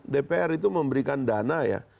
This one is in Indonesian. dpr itu memberikan dana ya